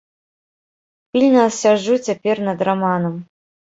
Пільна сяджу цяпер над раманам.